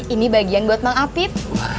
ini bagian buat mang apit